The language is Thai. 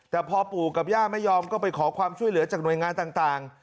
แต่พอปู่กับย่าไม่ยอมก็ไปขอความช่วยเหลือจากหน่วยงานต่าง